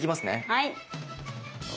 はい。